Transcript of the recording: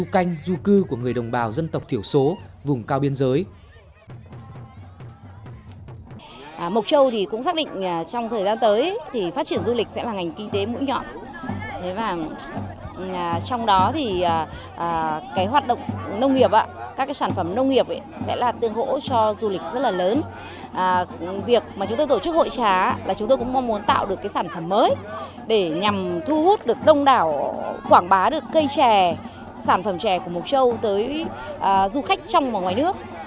chúng ta tương hỗ cho du lịch rất là lớn việc mà chúng tôi tổ chức hội trá là chúng tôi cũng mong muốn tạo được cái sản phẩm mới để nhằm thu hút được đông đảo quảng bá được cây trè sản phẩm trè của mộc châu tới du khách trong và ngoài nước